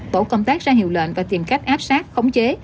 tổ công tác ra hiệu lệnh và tìm cách áp sát khống chế